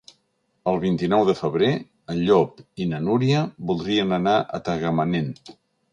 El vint-i-nou de febrer en Llop i na Núria voldrien anar a Tagamanent.